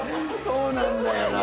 そうなんだよな！